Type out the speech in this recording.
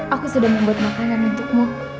aku sudah membuat makanan untukmu